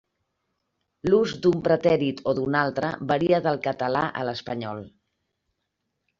L'ús d'un pretèrit o d'un altre varia del català a l'espanyol.